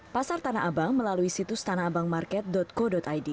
pasar tanah abang melalui situs tanahabangmarket co id